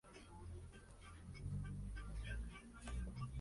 El Duque Felipe envió hombres armados para defender Lavaux.